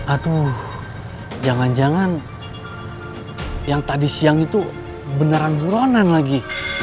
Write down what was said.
aduh jangan jangan yang tadi siang itu beneran buronan lagi